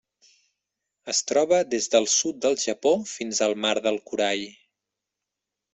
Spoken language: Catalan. Es troba des del sud del Japó fins al Mar del Corall.